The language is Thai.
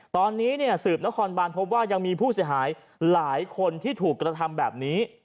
ตอนนี้สืบนครบานพบว่ายังมีผู้เสียหายหลายคนที่ถูกกระทำแบบนี้